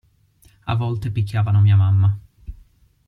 A volte picchiavano mia mamma.